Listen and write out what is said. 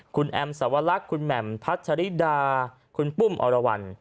คุณแอมสวรรคคุณแหม่มพัชริดาคุณปุ้มอรวรรณ